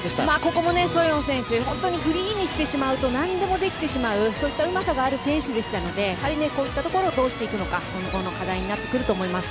ここもソヨン選手、本当にフリーにしてしまうと何でもできてしまうそういううまさがある選手なのでこういったところどうして対していくのか日本の課題になると思います。